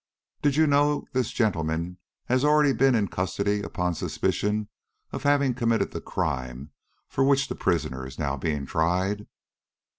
"Did you know this gentleman has already been in custody upon suspicion of having committed the crime for which the prisoner is now being tried?"